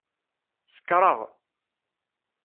Sekṛeɣ.